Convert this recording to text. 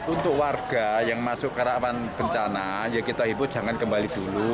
untuk warga yang masuk ke rawan bencana ya kita hibur jangan kembali dulu